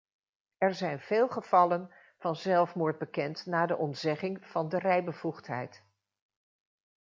Er zijn veel gevallen van zelfmoord bekend na de ontzegging van de rijbevoegdheid.